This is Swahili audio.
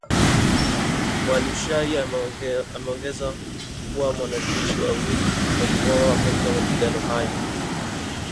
Mualushayi ameongeza kuwa, wanajeshi wawili waliuawa wakati wa mapigano hayo.